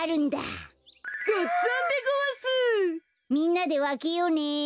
みんなでわけようね。